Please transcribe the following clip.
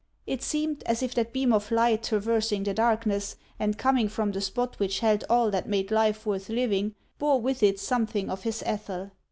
It seemed as if that beam of light traversing the darkness, and coming from the spot which held all that made life worth living, bore with it something of his Ethel.